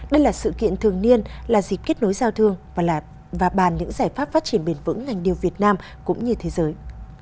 đây là sự kiện thường niên là dịp kết nối giao thương và bàn những giải pháp phát triển bền vững ngành điều việt nam cũng như thế giới